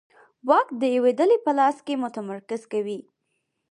واک د یوې ډلې په لاس کې متمرکز کوي